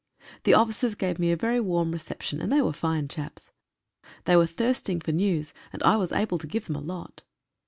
The officers gave me a very warm reception, and they were fine chaps. They were thirst ing for news, and I was able to give them a lot.